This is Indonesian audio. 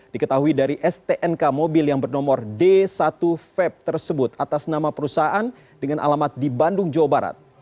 diketahui dari stnk mobil yang bernomor d satu v tersebut atas nama perusahaan dengan alamat di bandung jawa barat